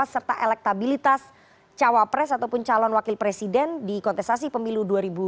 serta elektabilitas cawapres ataupun calon wakil presiden di kontestasi pemilu dua ribu dua puluh